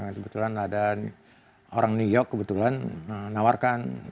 nah kebetulan ada orang new york kebetulan nawarkan